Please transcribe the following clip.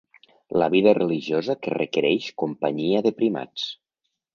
La vida religiosa que requereix companyia de primats.